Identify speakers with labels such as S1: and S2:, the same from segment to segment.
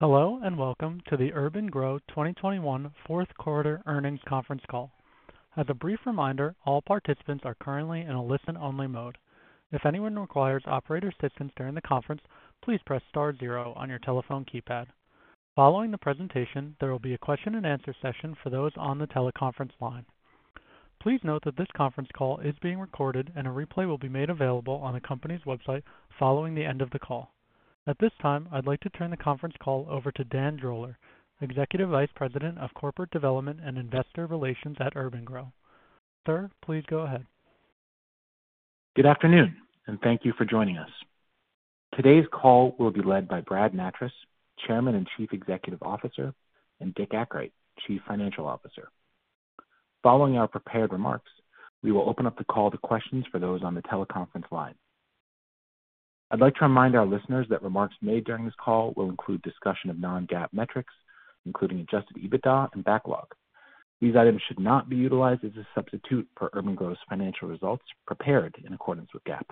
S1: Hello, and welcome to the urban-gro 2021 Q4 earnings conference call. As a brief reminder, all participants are currently in a listen-only mode. If anyone requires operator assistance during the conference, please press star zero on your telephone keypad. Following the presentation, there will be a question and answer session for those on the teleconference line. Please note that this conference call is being recorded, and a replay will be made available on the company's website following the end of the call. At this time, I'd like to turn the conference call over to Dan Droller, Executive Vice President of Corporate Development and Investor Relations at urban-gro. Sir, please go ahead.
S2: Good afternoon, and thank you for joining us. Today's call will be led by Brad Nattrass, Chairman and Chief Executive Officer, and Dick Akright, Chief Financial Officer. Following our prepared remarks, we will open up the call to questions for those on the teleconference line. I'd like to remind our listeners that remarks made during this call will include discussion of non-GAAP metrics, including adjusted EBITDA and backlog. These items should not be utilized as a substitute for urban-gro's financial results prepared in accordance with GAAP.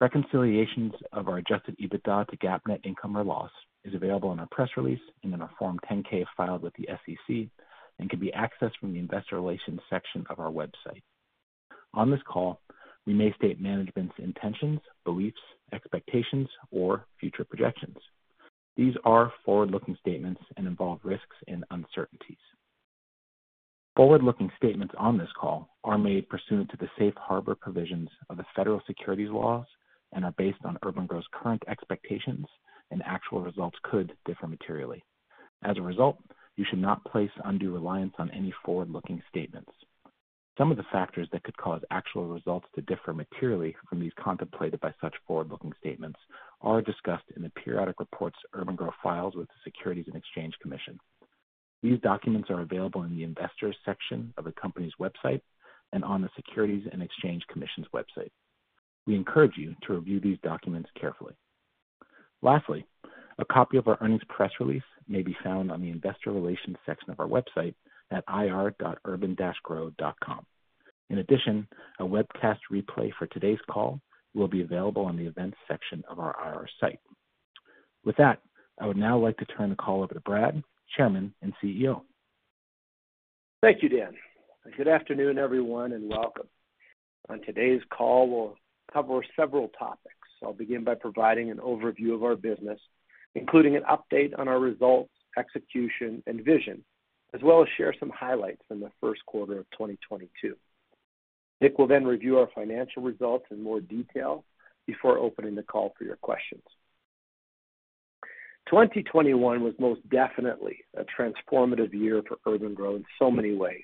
S2: Reconciliations of our adjusted EBITDA to GAAP net income or loss is available in our press release and in our Form 10-K filed with the SEC and can be accessed from the investor relations section of our website. On this call, we may state management's intentions, beliefs, expectations, or future projections. These are forward-looking statements and involve risks and uncertainties. Forward-looking statements on this call are made pursuant to the safe harbor provisions of the federal securities laws and are based on urban-gro's current expectations, and actual results could differ materially. As a result, you should not place undue reliance on any forward-looking statements. Some of the factors that could cause actual results to differ materially from these contemplated by such forward-looking statements are discussed in the periodic reports urban-gro files with the Securities and Exchange Commission. These documents are available in the investors section of the company's website and on the Securities and Exchange Commission's website. We encourage you to review these documents carefully. Lastly, a copy of our earnings press release may be found on the investor relations section of our website at ir.urban-gro.com. In addition, a webcast replay for today's call will be available on the events section of our IR site. With that, I would now like to turn the call over to Brad, Chairman and CEO.
S3: Thank you, Dan. Good afternoon, everyone, and welcome. On today's call, we'll cover several topics. I'll begin by providing an overview of our business, including an update on our results, execution, and vision, as well as share some highlights in the Q1 of 2022. Nick will then review our financial results in more detail before opening the call for your questions. 2021 was most definitely a transformative year for urban-gro in so many ways.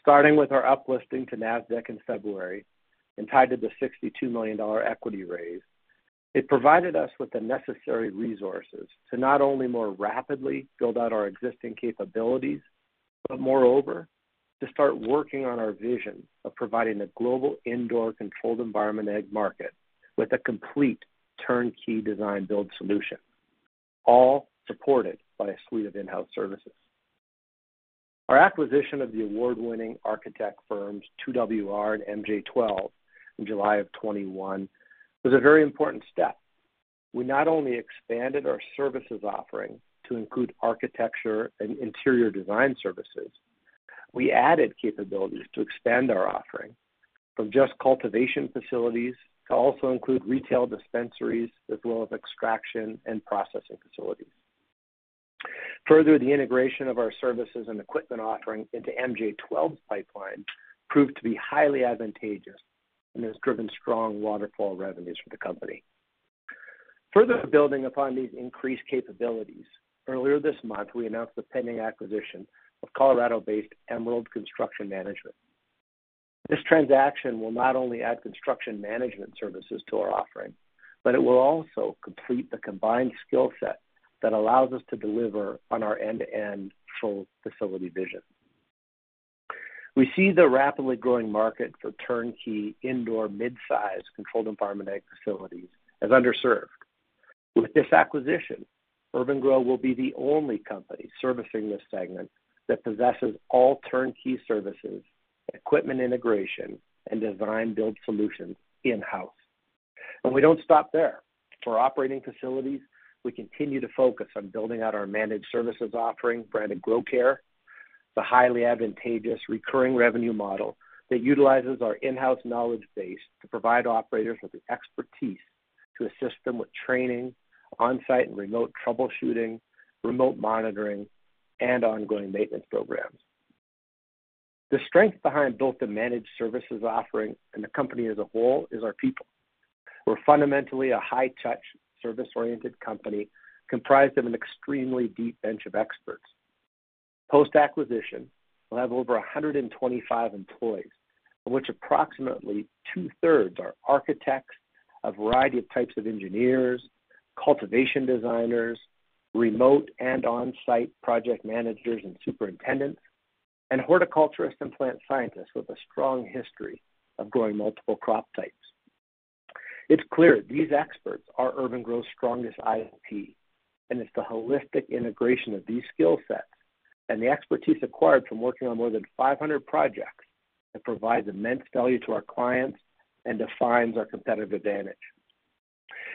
S3: Starting with our uplisting to Nasdaq in February and tied to the $62 million equity raise, it provided us with the necessary resources to not only more rapidly build out our existing capabilities, but moreover, to start working on our vision of providing a global indoor controlled environment ag market with a complete turnkey design build solution, all supported by a suite of in-house services. Our acquisition of the award-winning architect firms, 2WR and MJ12, in July of 2021, was a very important step. We not only expanded our services offering to include architecture and interior design services, we added capabilities to expand our offering from just cultivation facilities to also include retail dispensaries as well as extraction and processing facilities. Further, the integration of our services and equipment offering into MJ12's pipeline proved to be highly advantageous and has driven strong waterfall revenues for the company. Further building upon these increased capabilities, earlier this month, we announced the pending acquisition of Colorado-based Emerald Construction Management. This transaction will not only add construction management services to our offering, but it will also complete the combined skill set that allows us to deliver on our end-to-end full facility vision. We see the rapidly growing market for turnkey indoor mid-size controlled environment ag facilities as underserved. With this acquisition, urban-gro will be the only company servicing this segment that possesses all turnkey services, equipment integration, and design build solutions in-house. We don't stop there. For operating facilities, we continue to focus on building out our managed services offering, branded gro-care, the highly advantageous recurring revenue model that utilizes our in-house knowledge base to provide operators with the expertise to assist them with training, on-site and remote troubleshooting, remote monitoring, and ongoing maintenance programs. The strength behind both the managed services offering and the company as a whole is our people. We're fundamentally a high-touch service-oriented company comprised of an extremely deep bench of experts. Post-acquisition, we'll have over 125 employees, of which approximately two-thirds are architects, a variety of types of engineers, cultivation designers, remote and on-site project managers and superintendents, and horticulturists and plant scientists with a strong history of growing multiple crop types. It's clear these experts are urban-gro's strongest IP, and it's the holistic integration of these skill sets. The expertise acquired from working on more than 500 projects that provides immense value to our clients and defines our competitive advantage.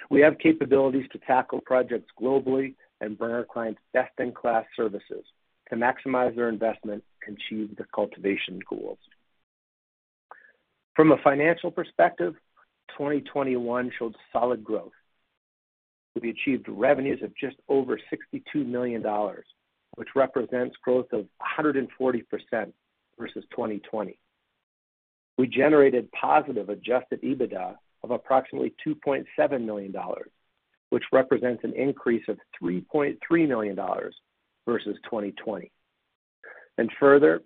S3: We have capabilities to tackle projects globally and bring our clients best-in-class services to maximize their investment and achieve their cultivation goals. From a financial perspective, 2021 showed solid growth. We achieved revenues of just over $62 million, which represents growth of 140% versus 2020. We generated positive adjusted EBITDA of approximately $2.7 million, which represents an increase of $3.3 million versus 2020. Further,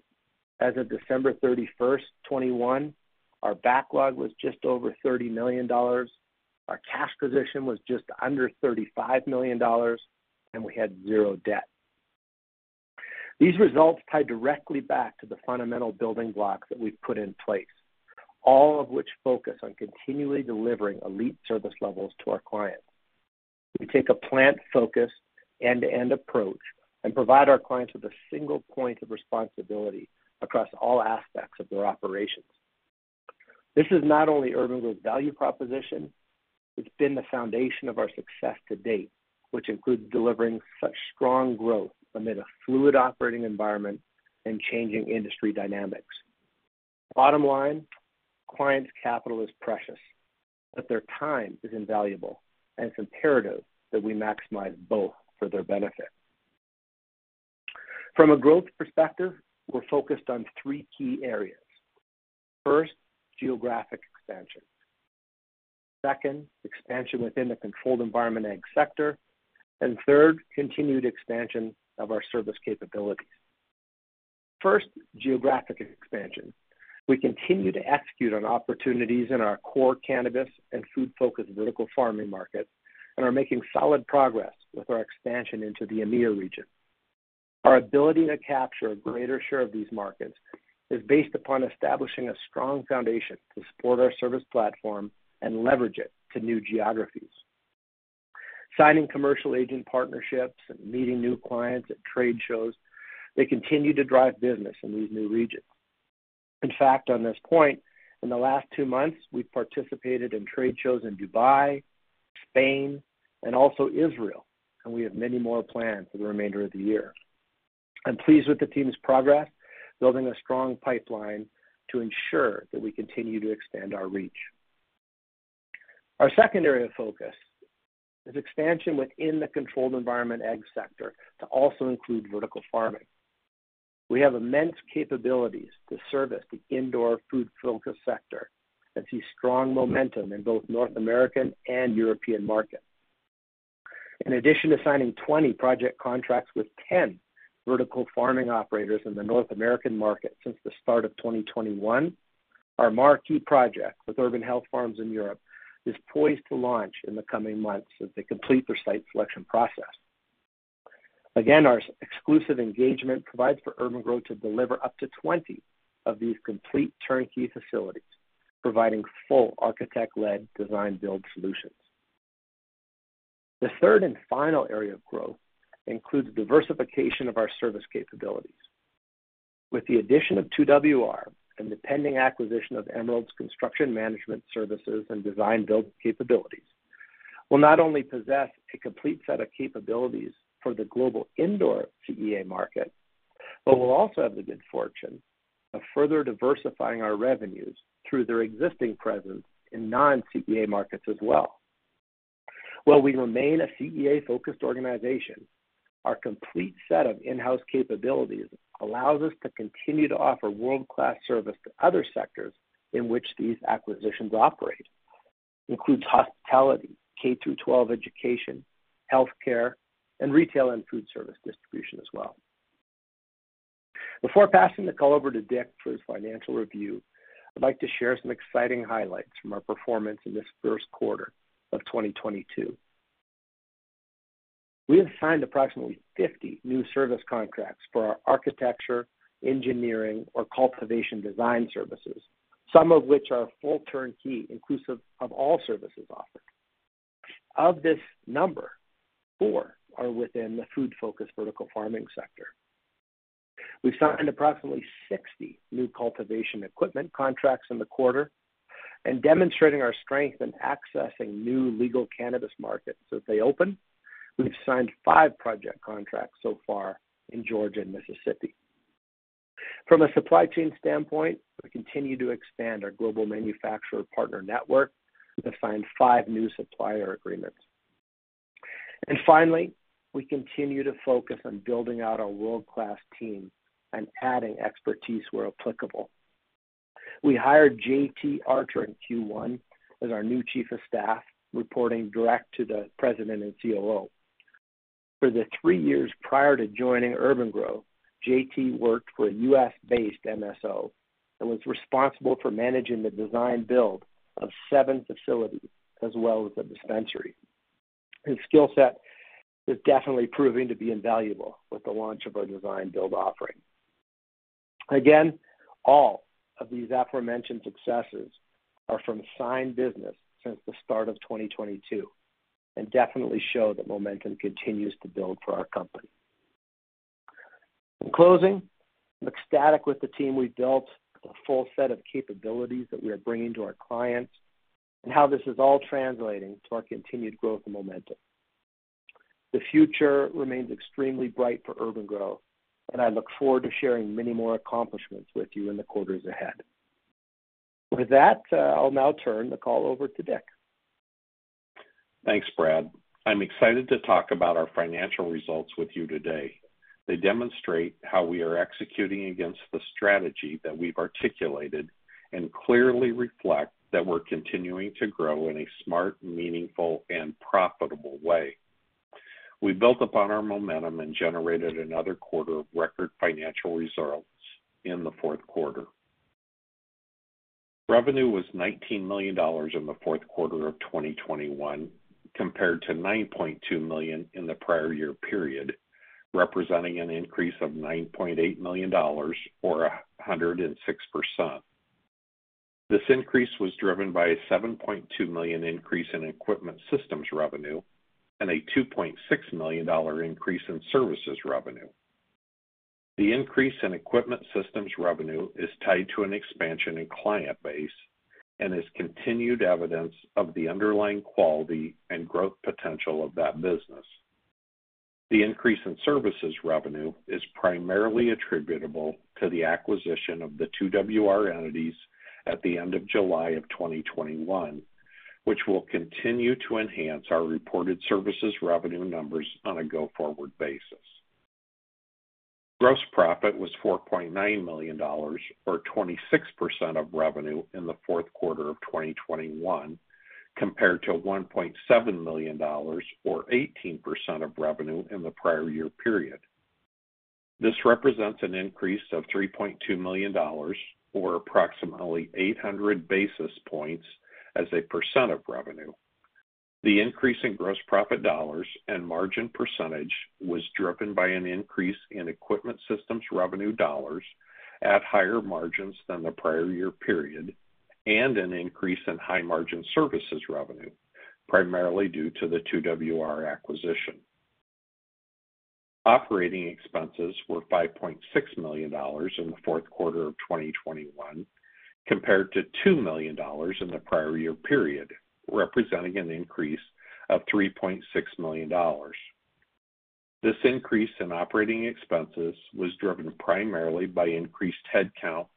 S3: as of December 31, 2021, our backlog was just over $30 million. Our cash position was just under $35 million, and we had zero debt. These results tie directly back to the fundamental building blocks that we've put in place, all of which focus on continually delivering elite service levels to our clients. We take a plant-focused, end-to-end approach and provide our clients with a single point of responsibility across all aspects of their operations. This is not only urban-gro's value proposition, it's been the foundation of our success to date, which includes delivering such strong growth amid a fluid operating environment and changing industry dynamics. Bottom line, clients' capital is precious, but their time is invaluable, and it's imperative that we maximize both for their benefit. From a growth perspective, we're focused on three key areas. First, geographic expansion. Second, expansion within the controlled environment ag sector. Third, continued expansion of our service capabilities. First, geographic expansion. We continue to execute on opportunities in our core cannabis and food-focused vertical farming markets and are making solid progress with our expansion into the EMEIA region. Our ability to capture a greater share of these markets is based upon establishing a strong foundation to support our service platform and leverage it to new geographies. Signing commercial agent partnerships and meeting new clients at trade shows, they continue to drive business in these new regions. In fact, on this point, in the last two months, we've participated in trade shows in Dubai, Spain, and also Israel, and we have many more planned for the remainder of the year. I'm pleased with the team's progress, building a strong pipeline to ensure that we continue to expand our reach. Our second area of focus is expansion within the controlled environment ag sector to also include vertical farming. We have immense capabilities to service the indoor food-focused sector and see strong momentum in both North American and European markets. In addition to signing 20 project contracts with 10 vertical farming operators in the North American market since the start of 2021, our marquee project with Urban Health Farms in Europe is poised to launch in the coming months as they complete their site selection process. Again, our exclusive engagement provides for urban-gro to deliver up to 20 of these complete turnkey facilities, providing full architect-led design build solutions. The third and final area of growth includes diversification of our service capabilities. With the addition of 2WR and the pending acquisition of Emerald's construction management services and design build capabilities, we'll not only possess a complete set of capabilities for the global indoor CEA market, but we'll also have the good fortune of further diversifying our revenues through their existing presence in non-CEA markets as well. While we remain a CEA-focused organization, our complete set of in-house capabilities allows us to continue to offer world-class service to other sectors in which these acquisitions operate, including hospitality, K-12 education, healthcare, and retail and food service distribution as well. Before passing the call over to Dick for his financial review, I'd like to share some exciting highlights from our performance in this Q1 of 2022. We have signed approximately 50 new service contracts for our architecture, engineering, or cultivation design services, some of which are full turnkey, inclusive of all services offered. Of this number, four are within the food-focused vertical farming sector. We've signed approximately 60 new cultivation equipment contracts in the quarter. Demonstrating our strength in accessing new legal cannabis markets as they open, we've signed five project contracts so far in Georgia and Mississippi. From a supply chain standpoint, we continue to expand our global manufacturer partner network. We've signed five new supplier agreements. Finally, we continue to focus on building out our world-class team and adding expertise where applicable. We hired JT Archer in Q1 as our new Chief of Staff, reporting directly to the President and COO. For the three years prior to joining urban-gro, JT worked for a U.S.-based MSO and was responsible for managing the design-build of seven facilities as well as a dispensary. His skill set is definitely proving to be invaluable with the launch of our design-build offering. Again, all of these aforementioned successes are from signed business since the start of 2022 and definitely show that momentum continues to build for our company. In closing, I'm ecstatic with the team we've built, the full set of capabilities that we are bringing to our clients, and how this is all translating to our continued growth and momentum. The future remains extremely bright for urban-gro, and I look forward to sharing many more accomplishments with you in the quarters ahead. With that, I'll now turn the call over to Dick.
S4: Thanks, Brad. I'm excited to talk about our financial results with you today. They demonstrate how we are executing against the strategy that we've articulated and clearly reflect that we're continuing to grow in a smart, meaningful, and profitable way. We built upon our momentum and generated another quarter of record financial results in the Q4. Revenue was $19 million in the Q4 of 2021, compared to $9.2 million in the prior year period, representing an increase of $9.8 million or 106%. This increase was driven by a $7.2 million increase in equipment systems revenue and a $2.6 million dollar increase in services revenue. The increase in equipment systems revenue is tied to an expansion in client base and is continued evidence of the underlying quality and growth potential of that business. The increase in services revenue is primarily attributable to the acquisition of the 2WR entities at the end of July of 2021, which will continue to enhance our reported services revenue numbers on a go-forward basis. Gross profit was $4.9 million or 26% of revenue in the Q4 of 2021, compared to $1.7 million or 18% of revenue in the prior year period. This represents an increase of $3.2 million or approximately 800 basis points as a percent of revenue. The increase in gross profit dollars and margin percentage was driven by an increase in equipment systems revenue dollars at higher margins than the prior year period and an increase in high-margin services revenue, primarily due to the 2WR acquisition. Operating expenses were $5.6 million in the Q4 of 2021, compared to $2 million in the prior year period, representing an increase of $3.6 million. This increase in operating expenses was driven primarily by increased headcount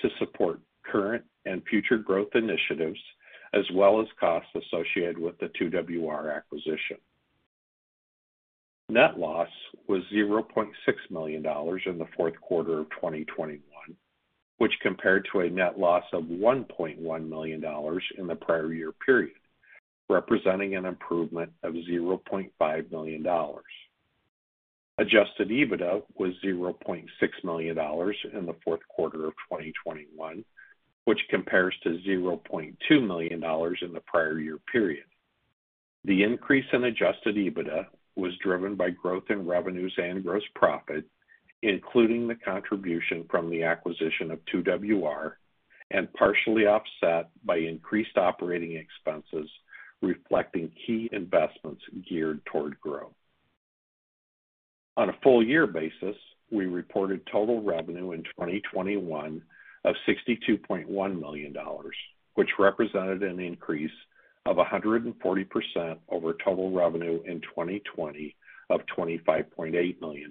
S4: to support current and future growth initiatives, as well as costs associated with the 2WR acquisition. Net loss was $0.6 million in the Q4 of 2021, which compared to a net loss of $1.1 million in the prior year period, representing an improvement of $0.5 million. Adjusted EBITDA was $0.6 million in the Q4 of 2021, which compares to $0.2 million in the prior year period. The increase in adjusted EBITDA was driven by growth in revenues and gross profit, including the contribution from the acquisition of 2WR, and partially offset by increased operating expenses, reflecting key investments geared toward growth. On a full year basis, we reported total revenue in 2021 of $62.1 million, which represented an increase of 140% over total revenue in 2020 of $25.8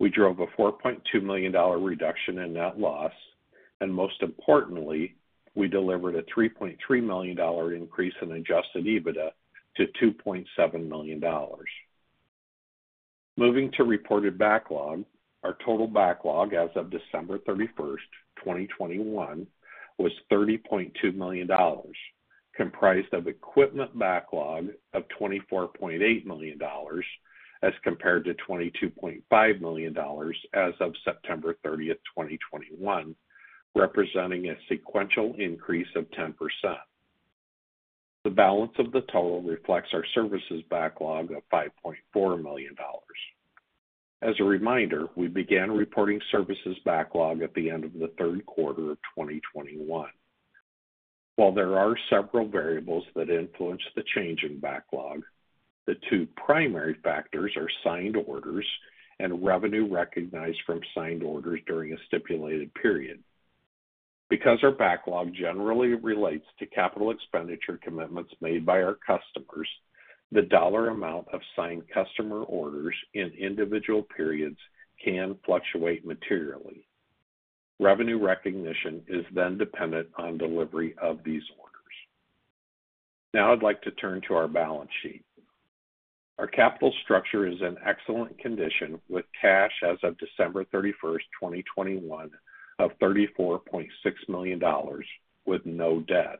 S4: million. We drove a $4.2 million reduction in net loss, and most importantly, we delivered a $3.3 million increase in adjusted EBITDA to $2.7 million. Moving to reported backlog. Our total backlog as of December 31, 2021 was $30.2 million, comprised of equipment backlog of $24.8 million, as compared to $22.5 million as of September 30, 2021, representing a sequential increase of 10%. The balance of the total reflects our services backlog of $5.4 million. As a reminder, we began reporting services backlog at the end of the Q3 of 2021. While there are several variables that influence the change in backlog, the two primary factors are signed orders and revenue recognized from signed orders during a stipulated period. Because our backlog generally relates to capital expenditure commitments made by our customers, the dollar amount of signed customer orders in individual periods can fluctuate materially. Revenue recognition is then dependent on delivery of these orders. Now I'd like to turn to our balance sheet. Our capital structure is in excellent condition with cash as of December 31, 2021 of $34.6 million with no debt,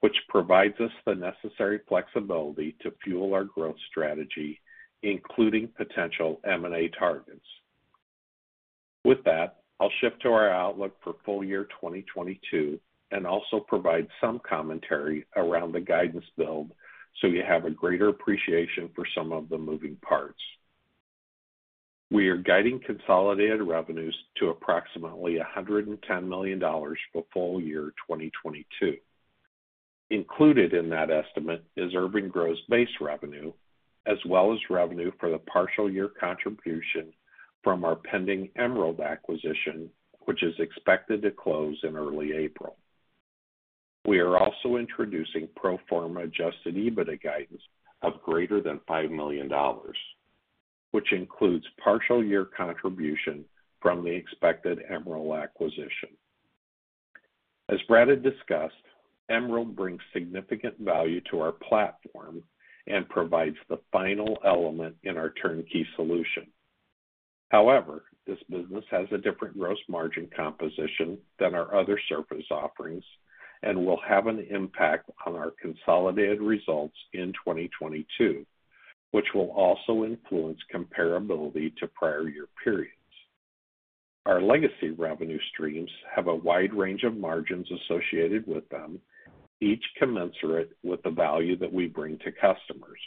S4: which provides us the necessary flexibility to fuel our growth strategy, including potential M&A targets. With that, I'll shift to our outlook for full year 2022 and also provide some commentary around the guidance build so you have a greater appreciation for some of the moving pieces. We are guiding consolidated revenues to approximately $110 million for full year 2022. Included in that estimate is urban-gro's base revenue as well as revenue for the partial year contribution from our pending Emerald acquisition, which is expected to close in early April. We are also introducing pro forma adjusted EBITDA guidance of greater than $5 million, which includes partial year contribution from the expected Emerald acquisition. As Brad had discussed, Emerald brings significant value to our platform and provides the final element in our turnkey solution. However, this business has a different gross margin composition than our other surface offerings and will have an impact on our consolidated results in 2022, which will also influence comparability to prior year periods. Our legacy revenue streams have a wide range of margins associated with them, each commensurate with the value that we bring to customers.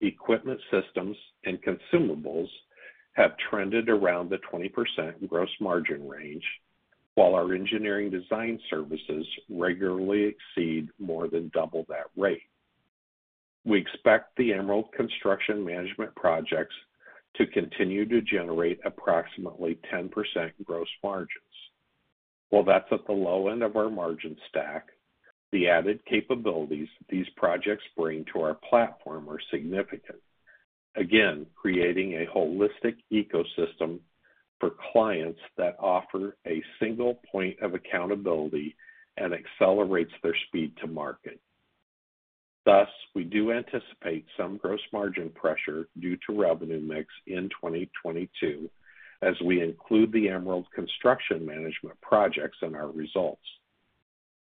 S4: Equipment systems and consumables have trended around the 20% gross margin range, while our engineering design services regularly exceed more than double that rate. We expect the Emerald construction management projects to continue to generate approximately 10% gross margins. While that's at the low end of our margin stack, the added capabilities these projects bring to our platform are significant, again creating a holistic ecosystem for clients that offer a single point of accountability and accelerates their speed to market. Thus, we do anticipate some gross margin pressure due to revenue mix in 2022 as we include the Emerald Construction Management projects in our results.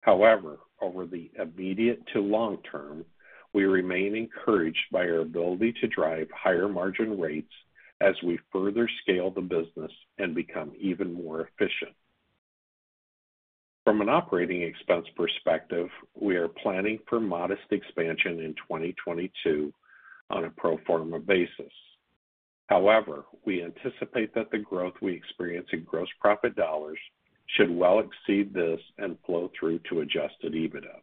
S4: However, over the immediate to long term, we remain encouraged by our ability to drive higher margin rates as we further scale the business and become even more efficient. From an operating expense perspective, we are planning for modest expansion in 2022 on a pro forma basis. However, we anticipate that the growth we experience in gross profit dollars should well exceed this and flow through to adjusted EBITDA.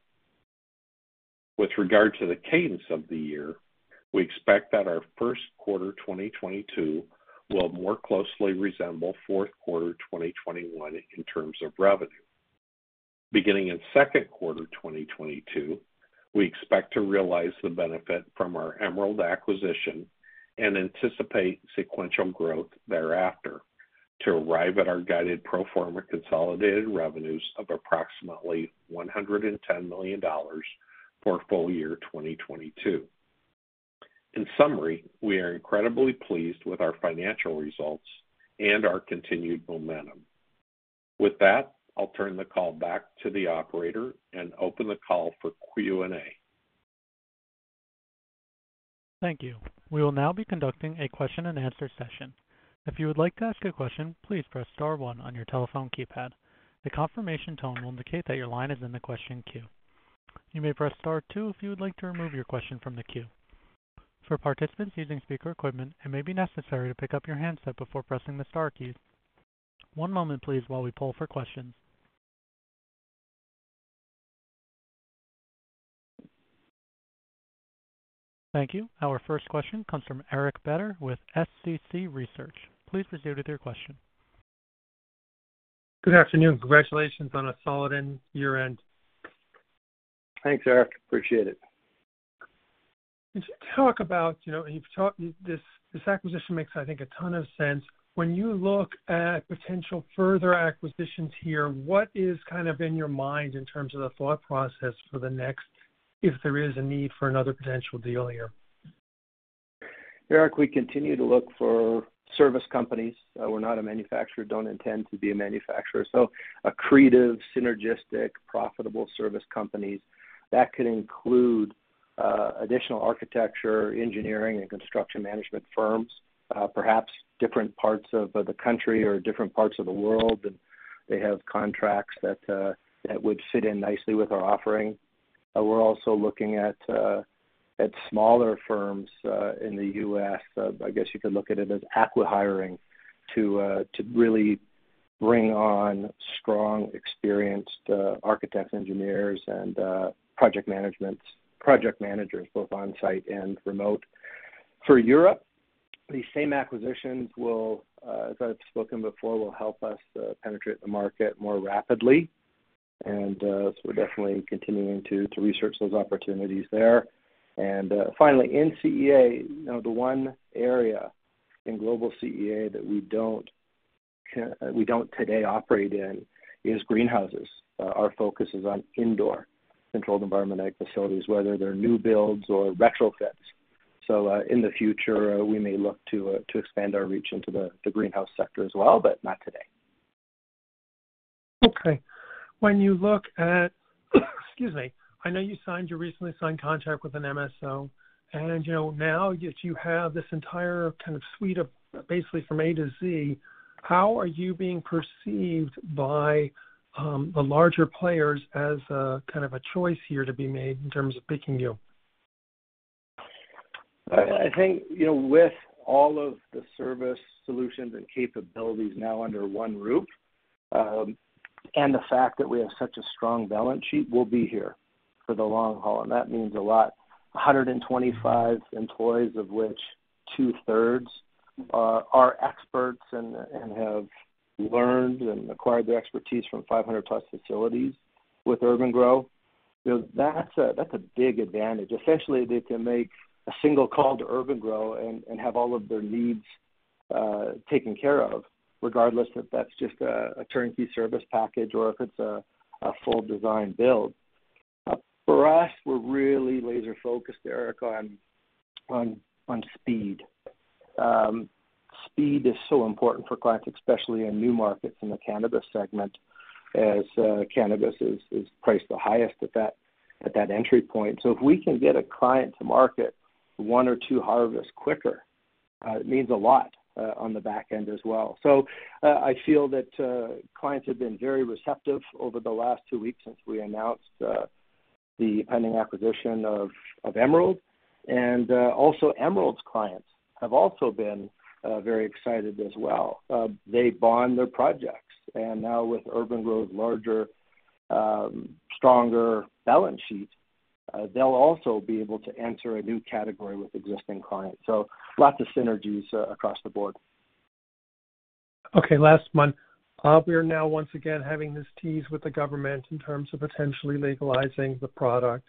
S4: With regard to the cadence of the year, we expect that our Q1 2022 will more closely resemble Q4 2021 in terms of revenue. Beginning in Q2 2022, we expect to realize the benefit from our Emerald acquisition and anticipate sequential growth thereafter to arrive at our guided pro forma consolidated revenues of approximately $110 million for full year 2022. In summary, we are incredibly pleased with our financial results and our continued momentum. With that, I'll turn the call back to the operator and open the call for Q&A.
S1: Thank you. We will now be conducting a question-and-answer session. If you would like to ask a question, please press star one on your telephone keypad. The confirmation tone will indicate that your line is in the question queue. You may press star two if you would like to remove your question from the queue. For participants using speaker equipment, it may be necessary to pick up your handset before pressing the star keys. One moment please while we poll for questions. Thank you. Our first question comes from Eric Beder with SCC Research. Please proceed with your question.
S5: Good afternoon. Congratulations on a solid year-end.
S3: Thanks, Eric. Appreciate it.
S5: Could you talk about, you know, this acquisition makes, I think, a ton of sense. When you look at potential further acquisitions here, what is kind of in your mind in terms of the thought process for the next, if there is a need for another potential deal here?
S3: Eric, we continue to look for service companies. We're not a manufacturer, don't intend to be a manufacturer. So accretive, synergistic, profitable service companies that could include additional architecture, engineering and construction management firms, perhaps different parts of the country or different parts of the world, and they have contracts that would fit in nicely with our offering. We're also looking at smaller firms in the U.S. I guess you could look at it as acqui-hiring to really bring on strong, experienced architects, engineers and project managers, both on-site and remote. For Europe, these same acquisitions will, as I've spoken before, help us penetrate the market more rapidly. We're definitely continuing to research those opportunities there.
S4: Finally, in CEA, you know, the one area in global CEA that we don't today operate in is greenhouses. Our focus is on indoor controlled environment ag facilities, whether they're new builds or retrofits. In the future, we may look to expand our reach into the greenhouse sector as well, but not today.
S5: Okay. Excuse me, I know you recently signed contract with an MSO, and you know, now that you have this entire kind of suite of basically from A to Z, how are you being perceived by the larger players as a kind of a choice here to be made in terms of picking you?
S3: I think, you know, with all of the service solutions and capabilities now under one roof, and the fact that we have such a strong balance sheet, we'll be here for the long haul, and that means a lot. 125 employees, of which two-thirds are experts and have learned and acquired their expertise from 500+ facilities with urban-gro. You know, that's a big advantage. Essentially, they can make a single call to urban-gro and have all of their needs taken care of, regardless if that's just a turnkey service package or if it's a full design build. For us, we're really laser focused, Eric, on speed. Speed is so important for clients, especially in new markets in the cannabis segment as cannabis is priced the highest at that entry point. If we can get a client to market one or two harvests quicker, it means a lot on the back end as well. I feel that clients have been very receptive over the last two weeks since we announced the pending acquisition of Emerald. Also, Emerald's clients have also been very excited as well. They bond their projects, and now with urban-gro's larger, stronger balance sheet, they'll also be able to enter a new category with existing clients, so lots of synergies across the board.
S5: Okay. Last one. We are now once again having this tease with the government in terms of potentially legalizing the product,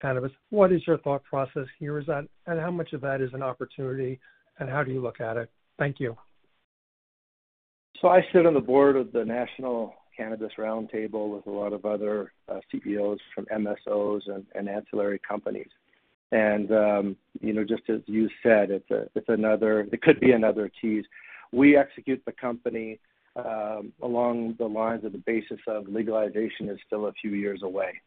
S5: cannabis. What is your thought process here? How much of that is an opportunity, and how do you look at it? Thank you.
S3: I sit on the board of the National Cannabis Roundtable with a lot of other CEOs from MSOs and ancillary companies. Just as you said, it's another tease. We execute the company along the lines of the basis of legalization is still a few years away.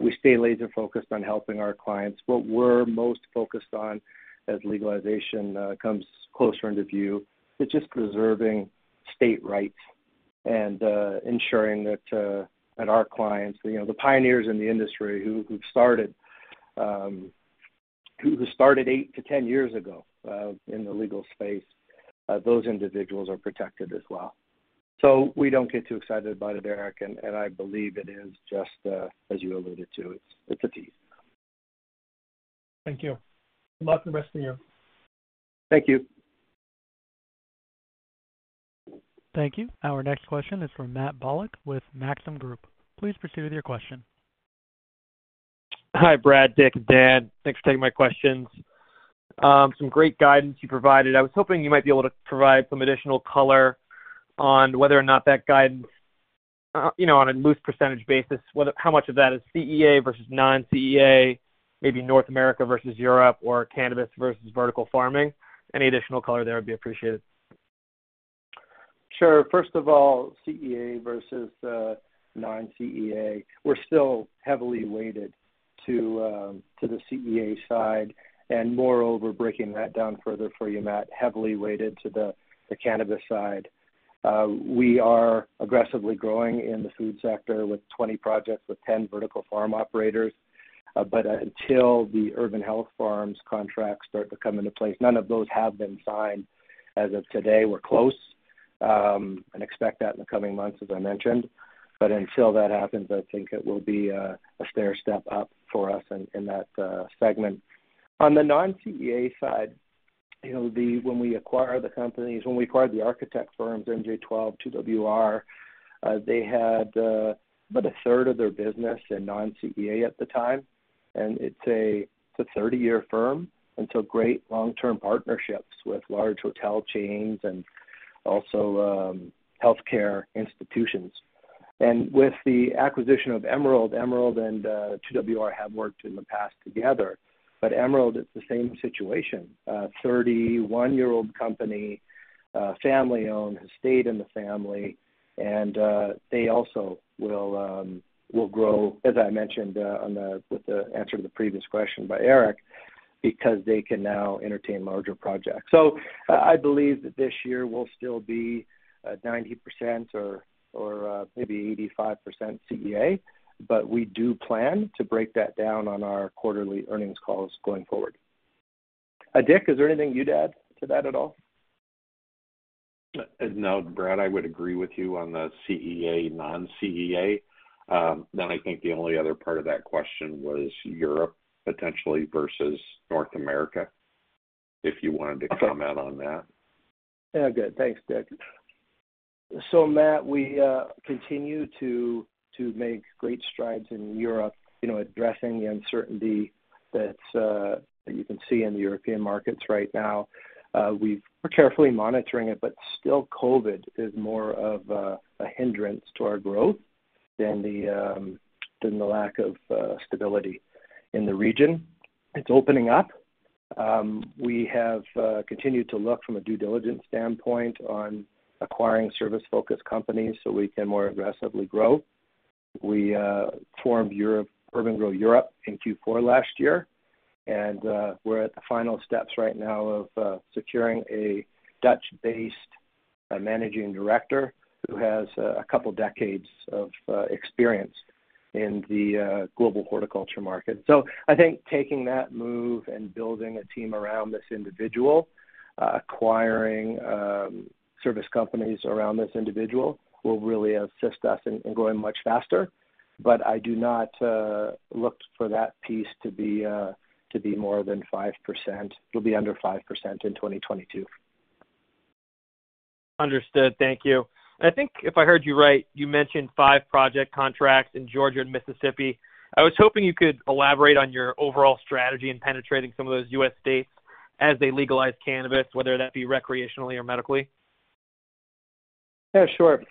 S3: We stay laser focused on helping our clients. What we're most focused on as legalization comes closer into view is just preserving state rights and ensuring that our clients, the pioneers in the industry who started eight to ten years ago in the legal space, those individuals are protected as well. We don't get too excited about it, Eric, and I believe it is just, as you alluded to, it's a tease.
S5: Thank you. Good luck with the rest of the year.
S3: Thank you.
S1: Thank you. Our next question is from Anthony Vendetti with Maxim Group. Please proceed with your question.
S6: Hi, Brad, Dick, and Dan. Thanks for taking my questions. Some great guidance you provided. I was hoping you might be able to provide some additional color on whether or not that guidance, you know, on a loose percentage basis, whether how much of that is CEA versus non-CEA, maybe North America versus Europe or cannabis versus vertical farming. Any additional color there would be appreciated.
S3: Sure. First of all, CEA versus non-CEA, we're still heavily weighted to the CEA side, and moreover, breaking that down further for you, Matt, heavily weighted to the cannabis side. We are aggressively growing in the food sector with 20 projects with 10 vertical farm operators. Until the Urban Health Farms contracts start to come into place, none of those have been signed as of today. We're close and expect that in the coming months, as I mentioned. Until that happens, I think it will be a stair step up for us in that segment. On the non-CEA side, you know, when we acquired the architect firms, MJ12, 2WR, they had about a third of their business in non-CEA at the time. It's a 30-year firm with great long-term partnerships with large hotel chains and also healthcare institutions. With the acquisition of Emerald and 2WR have worked in the past together. Emerald, it's the same situation. 31-year-old company, family-owned, has stayed in the family, and they also will grow, as I mentioned, with the answer to the previous question by Eric because they can now entertain larger projects. I believe that this year will still be 90% or maybe 85% CEA, but we do plan to break that down on our quarterly earnings calls going forward. Dick, is there anything you'd add to that at all?
S4: No, Brad. I would agree with you on the CEA, non-CEA. I think the only other part of that question was Europe potentially versus North America, if you wanted to comment on that.
S3: Yeah. Good. Thanks, Dick. Matt, we continue to make great strides in Europe, you know, addressing the uncertainty that you can see in the European markets right now. We're carefully monitoring it, but still COVID is more of a hindrance to our growth than the lack of stability in the region. It's opening up. We have continued to look from a due diligence standpoint on acquiring service-focused companies so we can more aggressively grow. We formed urban-gro Europe in Q4 last year, and we're at the final steps right now of securing a Dutch-based managing director who has a couple decades of experience in the global horticulture market. I think taking that move and building a team around this individual, acquiring service companies around this individual will really assist us in growing much faster. I do not look for that piece to be more than 5%. It'll be under 5% in 2022.
S6: Understood. Thank you. I think if I heard you right, you mentioned five project contracts in Georgia and Mississippi. I was hoping you could elaborate on your overall strategy in penetrating some of those U.S. states as they legalize cannabis, whether that be recreationally or medically.
S3: Yeah, sure.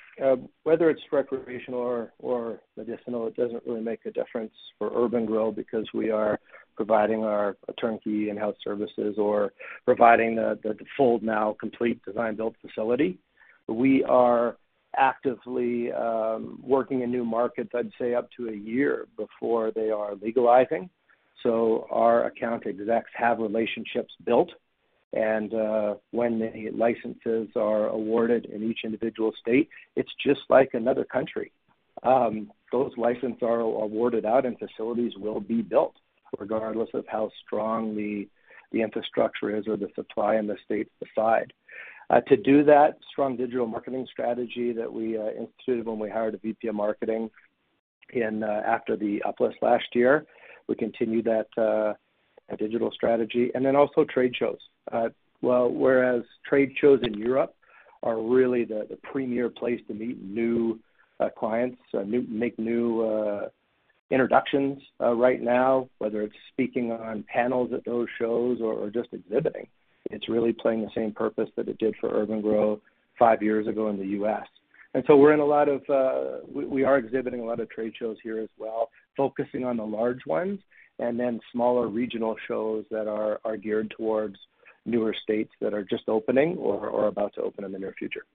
S3: Whether it's recreational or medicinal, it doesn't really make a difference for urban-gro because we are providing our turnkey in-house services or providing the full now complete design build facility. We are actively working in new markets, I'd say, up to a year before they are legalizing. Our account execs have relationships built, and when the licenses are awarded in each individual state, it's just like another country. Those licenses are awarded out and facilities will be built regardless of how strong the infrastructure is or the supply in the state decide. To do that strong digital marketing strategy that we instituted when we hired a VP of marketing in after the uplist last year, we continued that digital strategy and then also trade shows. Well, whereas trade shows in Europe are really the premier place to meet new clients, make new introductions right now, whether it's speaking on panels at those shows or just exhibiting, it's really playing the same purpose that it did for urban-gro five years ago in the U.S. We're exhibiting a lot of trade shows here as well, focusing on the large ones and then smaller regional shows that are geared towards newer states that are just opening or are about to open in the near future.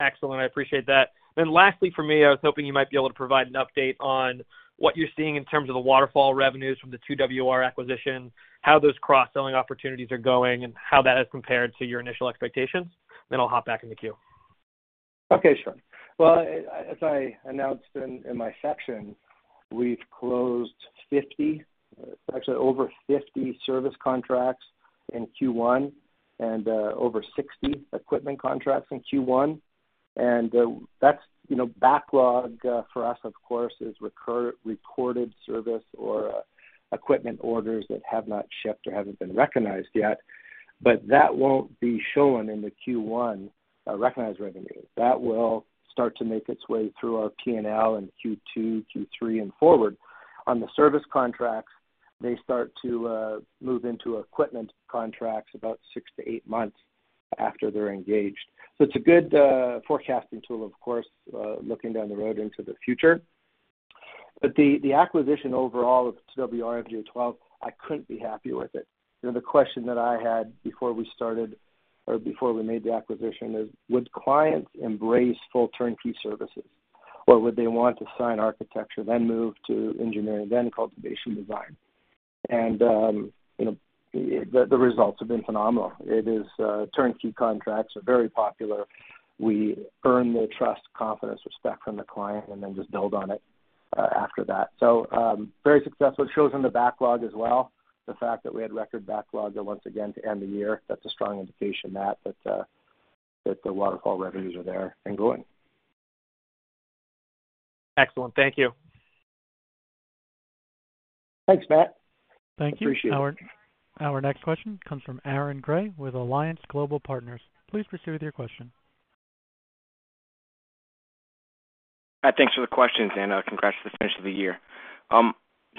S6: Excellent. I appreciate that. Lastly for me, I was hoping you might be able to provide an update on what you're seeing in terms of the waterfall revenues from the 2WR acquisition, how those cross-selling opportunities are going, and how that has compared to your initial expectations. I'll hop back in the queue.
S3: Okay, sure. Well, as I announced in my section, we've closed 50, actually over 50 service contracts in Q1 and over 60 equipment contracts in Q1. That's, you know, backlog for us, of course, is recorded service or equipment orders that have not shipped or haven't been recognized yet. That won't be shown in the Q1 recognized revenue. That will start to make its way through our P&L in Q2, Q3, and forward. On the service contracts, they start to move into equipment contracts about 6-8 months after they're engaged. It's a good forecasting tool, of course, looking down the road into the future. The acquisition overall of 2WR/MJ12, I couldn't be happier with it. You know, the question that I had before we started or before we made the acquisition is, would clients embrace full turnkey services, or would they want to sign architecture, then move to engineering, then cultivation design? You know, the results have been phenomenal. Turnkey contracts are very popular. We earn their trust, confidence, respect from the client and then just build on it after that. Very successful. It shows in the backlog as well, the fact that we had record backlog once again to end the year. That's a strong indication, Matt, that the waterfall revenues are there and growing.
S6: Excellent. Thank you.
S3: Thanks, Matt.
S1: Thank you.
S3: Appreciate it.
S1: Our next question comes from Aaron Grey with Alliance Global Partners. Please proceed with your question.
S7: Matt, thanks for the questions and congrats for the finish of the year.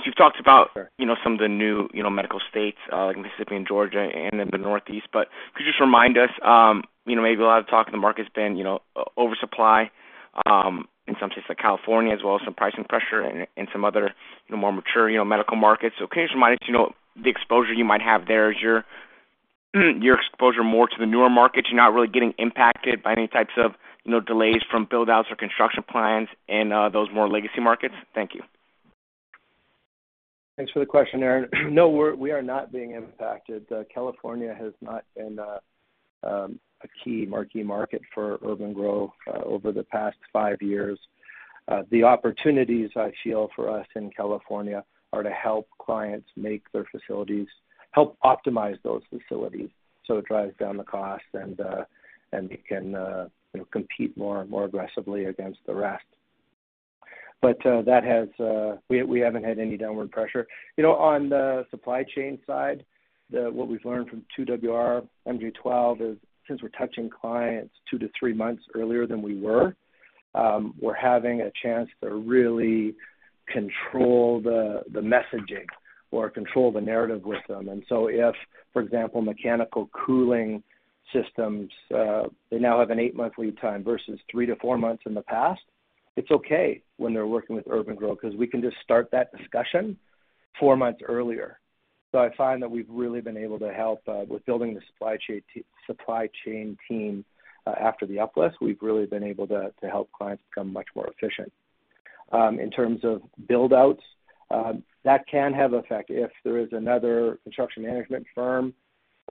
S7: You've talked about-
S3: Sure.
S7: You know, some of the new, you know, medical states like Mississippi and Georgia and in the Northeast, but could you just remind us, you know, maybe a lot of talk in the market's been, you know, over supply in some states like California as well as some pricing pressure in some other, you know, more mature, you know, medical markets. Can you just remind us, you know, the exposure you might have there? Is your exposure more to the newer markets, you're not really getting impacted by any types of, you know, delays from build outs or construction plans in those more legacy markets? Thank you.
S3: Thanks for the question, Aaron. No, we are not being impacted. California has not been a key marquee market for urban-gro over the past 5 years. The opportunities I feel for us in California are to help clients make their facilities, help optimize those facilities so it drives down the cost and they can, you know, compete more and more aggressively against the rest. We haven't had any downward pressure. You know, on the supply chain side, what we've learned from 2WR/MJ12 is since we're touching clients 2-3 months earlier than we were, we're having a chance to really control the messaging or control the narrative with them. If, for example, mechanical cooling systems, they now have an 8-month lead time versus 3-4 months in the past, it's okay when they're working with urban-gro 'cause we can just start that discussion 4 months earlier. I find that we've really been able to help with building the supply chain team after the uplist. We've really been able to help clients become much more efficient. In terms of build-outs, that can have effect if there is another construction management firm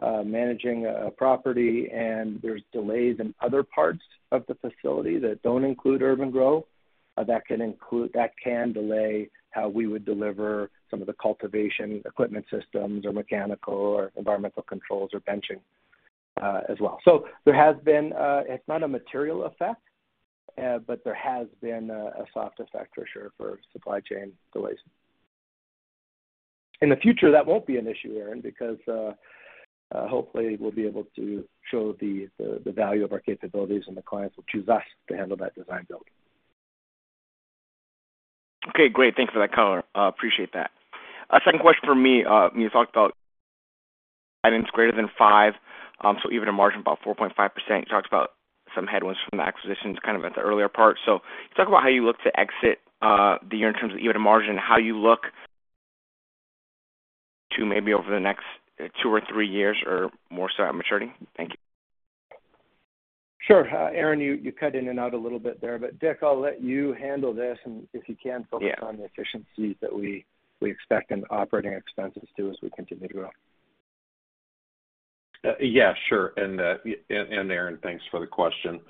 S3: managing a property and there's delays in other parts of the facility that don't include urban-gro, that can delay how we would deliver some of the cultivation equipment systems or mechanical or environmental controls or benching, as well. There has been. It's not a material effect, but there has been a soft effect for sure for supply chain delays. In the future, that won't be an issue, Aaron, because hopefully we'll be able to show the value of our capabilities, and the clients will choose us to handle that design build.
S7: Okay, great. Thanks for that color. Appreciate that. A second question from me. You talked about items greater than five, so even a margin about 4.5%. You talked about some headwinds from the acquisitions kind of at the earlier part. Can you talk about how you look to exit the year in terms of EBITDA margin and how you look to maybe over the next two or three years or more start maturity? Thank you.
S3: Sure. Aaron, you cut in and out a little bit there, but Dick, I'll let you handle this and if you can-
S7: Yeah.
S3: Focus on the efficiencies that we expect in operating expenses too as we continue to grow.
S4: Yeah, sure. Aaron, thanks for the question.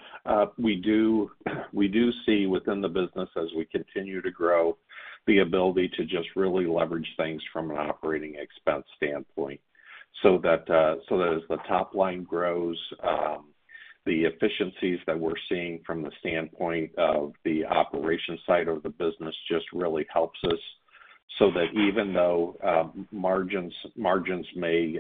S4: We do see within the business as we continue to grow the ability to just really leverage things from an operating expense standpoint, so that as the top line grows, the efficiencies that we're seeing from the standpoint of the operation side of the business just really helps us so that even though margins may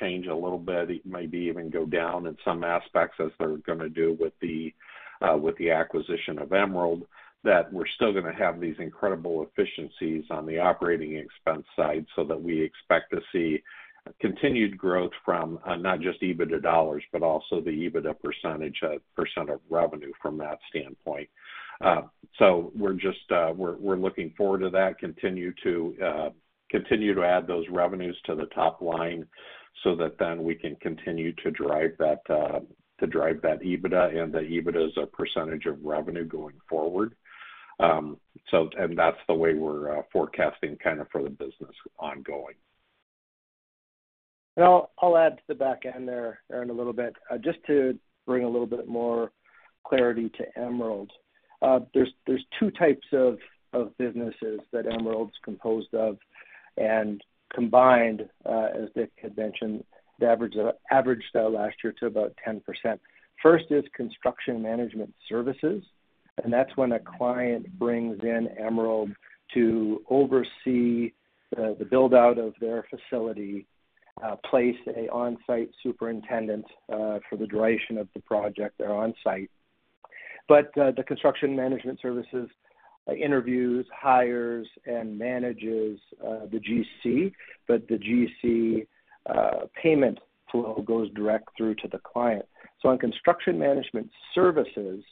S4: change a little bit, it may even go down in some aspects as they're gonna do with the acquisition of Emerald, that we're still gonna have these incredible efficiencies on the operating expense side so that we expect to see continued growth from not just EBITDA dollars, but also the EBITDA percent of revenue from that standpoint. We're just looking forward to that, continue to add those revenues to the top line so that then we can continue to drive that EBITDA and the EBITDA as a percentage of revenue going forward. That's the way we're forecasting kind of for the business ongoing.
S3: I'll add to the back end there, Aaron, a little bit, just to bring a little bit more clarity to Emerald. There's two types of businesses that Emerald's composed of. Combined, as Dick had mentioned, the average though last year to about 10%. First is construction management services, and that's when a client brings in Emerald to oversee the build-out of their facility, places an on-site superintendent for the duration of the project or on site. The construction management services interviews, hires, and manages the GC, but the GC payment flow goes direct through to the client. On construction management services,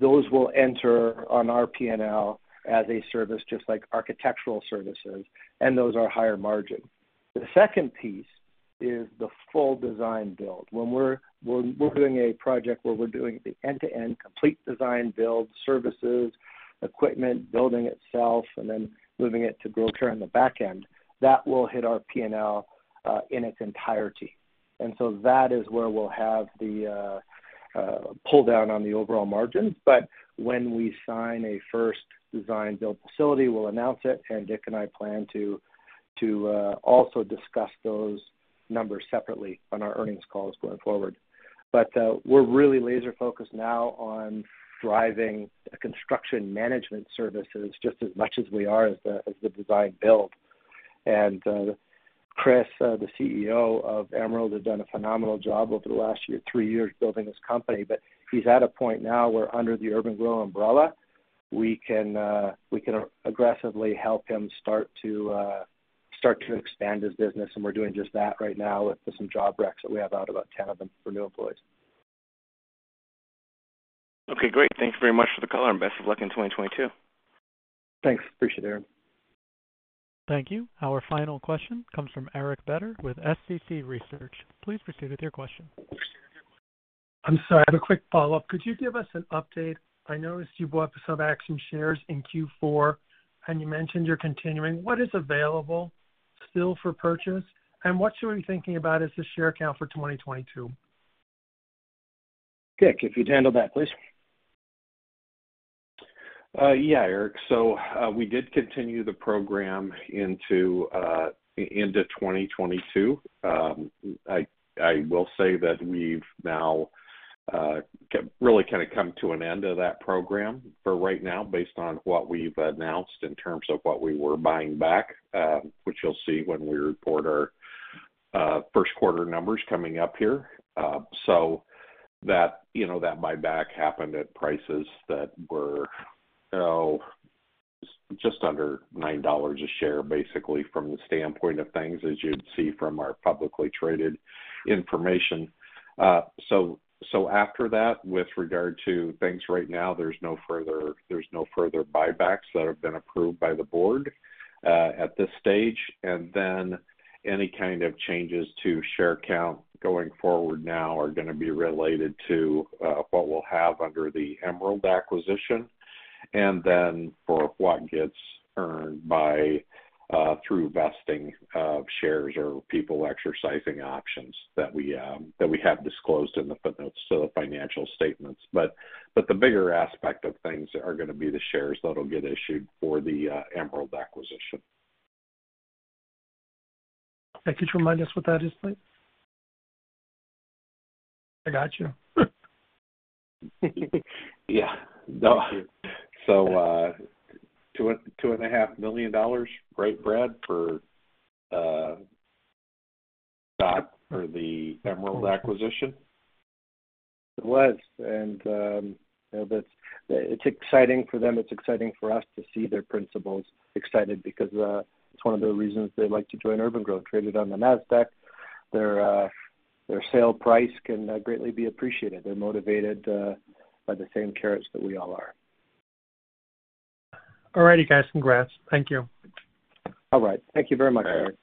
S3: those will enter on our P&L as a service just like architectural services, and those are higher margin. The second piece is the full design build. When we're doing a project where we're doing the end-to-end complete design build services, equipment, building itself, and then moving it to gro-care on the back end, that will hit our P&L in its entirety. That is where we'll have the pull down on the overall margin. When we sign a first design build facility, we'll announce it, and Dick and I plan to also discuss those numbers separately on our earnings calls going forward. We're really laser focused now on driving the construction management services just as much as we are as the design build. Chris, the CEO of Emerald, has done a phenomenal job over the last year, three years building this company. He's at a point now where under the urban-gro umbrella, we can aggressively help him start to expand his business, and we're doing just that right now with some job recs that we have out, about 10 of them for new employees.
S7: Okay, great. Thank you very much for the color and best of luck in 2022.
S3: Thanks. Appreciate it, Aaron.
S1: Thank you. Our final question comes from Eric Beder with SCC Research. Please proceed with your question.
S5: I'm sorry. I have a quick follow-up. Could you give us an update? I noticed you bought some auction shares in Q4, and you mentioned you're continuing. What is available still for purchase, and what should we be thinking about as the share count for 2022?
S3: Dick, if you'd handle that, please.
S4: Yeah, Eric. We did continue the program into 2022. I will say that we've now really kinda come to an end of that program for right now based on what we've announced in terms of what we were buying back, which you'll see when we report our Q1 numbers coming up here. That buyback happened at prices that were just under $9 a share, basically from the standpoint of things, as you'd see from our publicly traded information. After that, with regard to things right now, there's no further buybacks that have been approved by the board at this stage. Any kind of changes to share count going forward now are gonna be related to what we'll have under the Emerald acquisition. For what gets earned through vesting of shares or people exercising options that we have disclosed in the footnotes to the financial statements. The bigger aspect of things are gonna be the shares that'll get issued for the Emerald acquisition.
S3: Could you remind us what that is, please? I got you.
S4: Yeah. No. 2.5 million dollars, right Brad, for stock for the Emerald acquisition?
S3: It was. That's exciting for them. It's exciting for us to see their principals excited because it's one of the reasons they like to join urban-gro traded on the Nasdaq. Their sale price can greatly be appreciated. They're motivated by the same carrots that we all are. All righty, guys. Congrats. Thank you.
S4: All right. Thank you very much, Eric.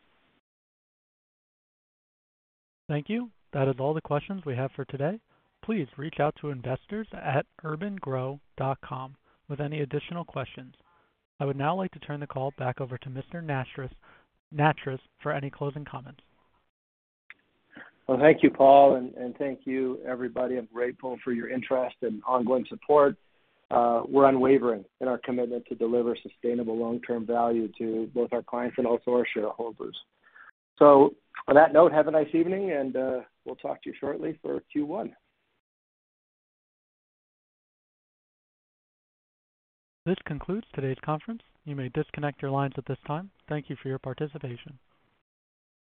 S1: Thank you. That is all the questions we have for today. Please reach out to investors@urban-gro.com with any additional questions. I would now like to turn the call back over to Mr. Nattrass for any closing comments.
S3: Well, thank you, Paul, and thank you everybody. I'm grateful for your interest and ongoing support. We're unwavering in our commitment to deliver sustainable long-term value to both our clients and also our shareholders. On that note, have a nice evening and we'll talk to you shortly for Q1.
S1: This concludes today's conference. You may disconnect your lines at this time. Thank you for your participation.